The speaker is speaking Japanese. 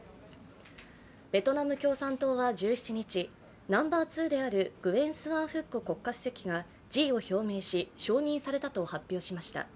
ベトナム共産党は１７日ナンバー２であるグエン・スアン・フック国家主席が辞意を表明し、承認されたと発表しました。